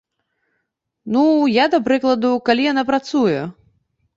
Ну, я да прыкладу, калі яна працуе.